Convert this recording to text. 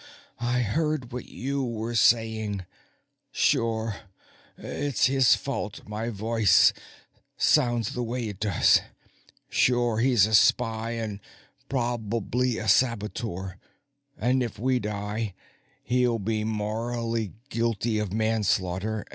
I heard what you were saying. Sure it's his fault my voice sounds the way it does. Sure he's a spy and probably a saboteur. And if we die, he'll be morally guilty of manslaughter.